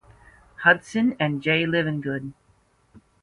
Hudson and Jay Livengood.